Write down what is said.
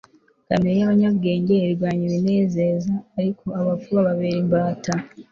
kamere y'abanyabwenge irwanya ibinezeza, ariko abapfu bababera imbata